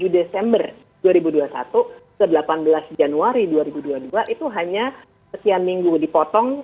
tujuh desember dua ribu dua puluh satu ke delapan belas januari dua ribu dua puluh dua itu hanya sekian minggu dipotong